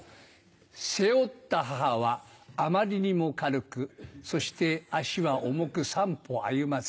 背負った母はあまりにも軽くそして足は重く三歩歩まず。